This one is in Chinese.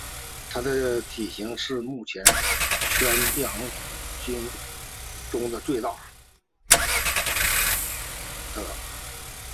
它的体型是目前圈养虎鲸中最大的。